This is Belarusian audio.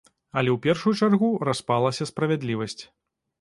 Але ў першую чаргу распалася справядлівасць.